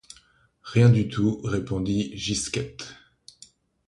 Rien du tout, répondit Gisquette.